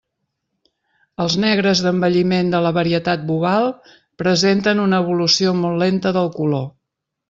Els negres d'envelliment de la varietat boval presenten una evolució molt lenta del color.